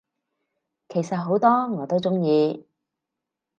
其實好多我都鍾意